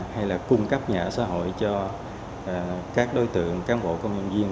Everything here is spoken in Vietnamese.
hay là cung cấp nhà ở xã hội cho các đối tượng cán bộ công nhân viên